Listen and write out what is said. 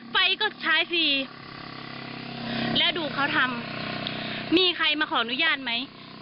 ไฟก็ใช้ฟรีแล้วดูเขาทำมีใครมาขออนุญาตไหม